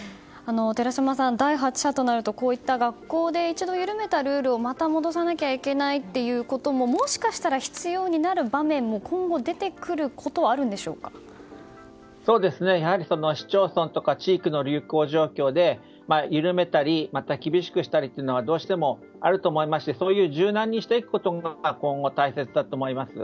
寺嶋さん、第８波となると学校で一度緩めたルールをまた戻さなきゃいけないということももしかしたら必要になる場面も今後出てくることは市町村とか地域の流行状況で緩めたり、また厳しくしたりというのがどうしてもあると思いますしそういう柔軟にしていくことが今後大切だと思います。